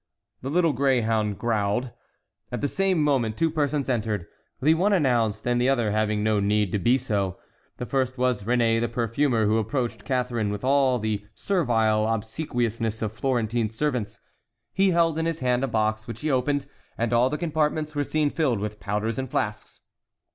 The little greyhound growled. At the same moment two persons entered—the one announced, and the other having no need to be so. The first was Réné, the perfumer, who approached Catharine with all the servile obsequiousness of Florentine servants. He held in his hand a box, which he opened, and all the compartments were seen filled with powders and flasks.